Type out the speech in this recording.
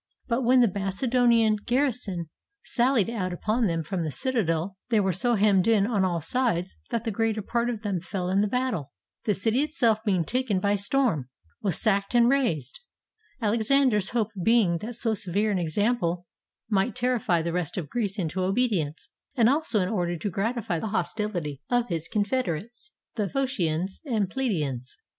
But when the Macedo nian garrison sallied out upon them from the citadel, they were so hemmed in on all sides that the greater part of them fell in the battle ; the city itself being taken by storm, was sacked and razed, Alexander's hope be ing that so severe an example might terrify the rest of Greece into obedience, and also in order to gratify the hostility of his confederates, the Phocians and Plataeans.